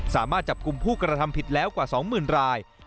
สามารถจับกลุ่มผู้กระทำผิดแล้วกว่า๒๐๐๐ราย